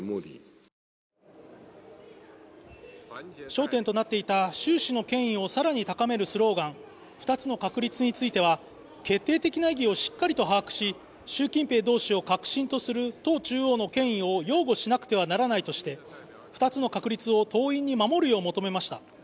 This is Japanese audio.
焦点となっていた習氏の権威を更に高めるスローガン、二つの確立については、決定的な意義をしっかりと把握し、習近平同志を核心とする党中央の権威を擁護しなくてはならないとして、二つの確立を党員に守るよう求めました。